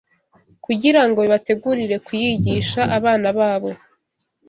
kugira ngo bibategurire kuyigisha abana babo